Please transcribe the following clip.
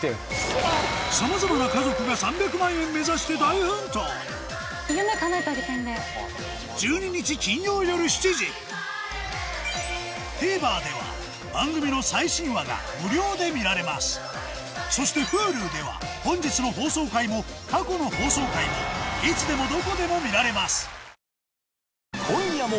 さまざまな家族が３００万円目指してＴＶｅｒでは番組の最新話が無料で見られますそしてＨｕｌｕでは本日の放送回も過去の放送回もいつでもどこでも見られます